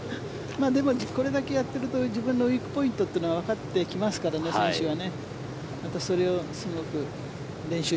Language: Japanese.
でもこれだけやっていると自分のウィークポイントというのがわかってきますからね、選手は。